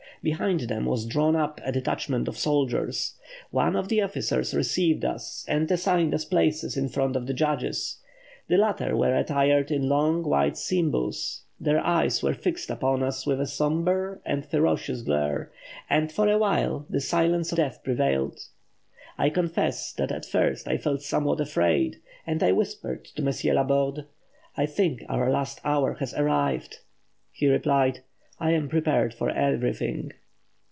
Behind them was drawn up a detachment of soldiers. One of the officers received us, and assigned us places in front of the judges. The latter were attired in long white simboos; their eyes were fixed upon us with a sombre and ferocious glare, and for awhile the silence of death prevailed. I confess that at first I felt somewhat afraid, and I whispered to M. Laborde, 'I think our last hour has arrived.' He replied, 'I am prepared for everything.'"